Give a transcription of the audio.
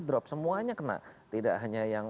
drop semuanya kena tidak hanya yang